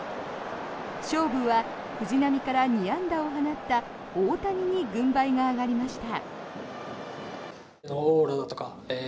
勝負は藤浪から２安打を放った大谷に軍配が上がりました。